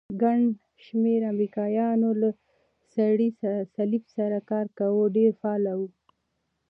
ګڼ شمېر امریکایانو له سرې صلیب سره کار کاوه، ډېر فعال وو.